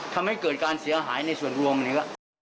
ทำให้เกิดการเสียหายในส่วนรวมนะครับ